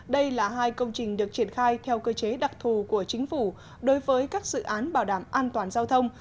đây là hai công trình được triển khai theo cơ chế đặc thù của chính phủ đối với các dự án bảo đảm an toàn giao thông